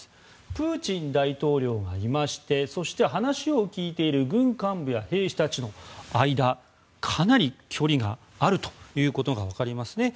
プーチン大統領がいましてそして、話を聞いている軍幹部や兵士たちの間かなり距離があるということが分かりますね。